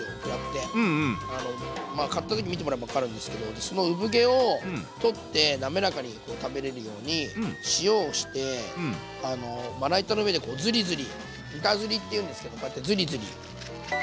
あのまあ買った時見てもらえば分かるんですけどその産毛を取って滑らかに食べれるように塩をしてまな板の上でこうズリズリ板ずりっていうんですけどこうやってズリズリ。